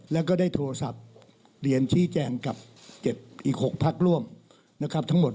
แล้วก็ได้โทรศัพท์เรียนชี้แจงกับ๗อีก๖พักร่วมนะครับทั้งหมด